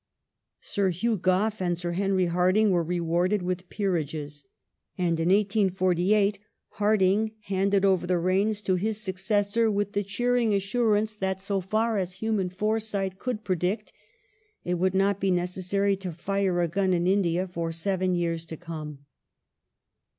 Sir Hugh Gough and Sir Henry Hardinge were rewarded with peerages, and in 1848 Hardinge handed over the reins to his sue 1856] RULE OF LORD DALHOUSIE 275 cessor with the cheering assurance that, so far as human foresight could predict, it would not be necessary to fire a gun in India for seven years to come.